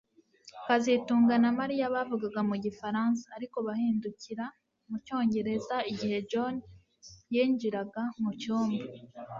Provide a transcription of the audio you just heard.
kazitunga na Mariya bavugaga mu Gifaransa ariko bahindukira mu Cyongereza igihe John yinjiraga mu cyumba